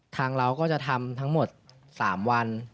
เราก็จะทำทั้งหมด๓วัน